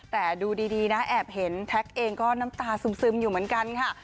แต่ดูดีนะแอบเห็นแท็กเองก็น้ำตาซึมอยู่เหมือนกันค่ะ